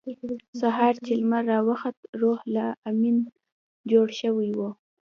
سهار چې لمر راوخوت روح لامین جوړ شوی و